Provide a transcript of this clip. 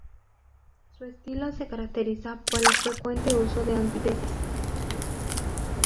Su estilo se caracteriza por el frecuente uso de antítesis.